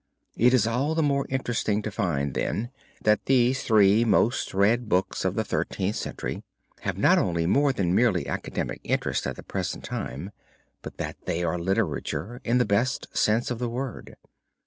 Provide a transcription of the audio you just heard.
It is all the more interesting to find then, that these three most read books of the Thirteenth Century, have not only more than merely academic interest at the present time, but that they are literature in the best sense of the word.